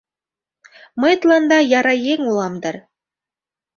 Мый тыланда яра еҥ улам дыр.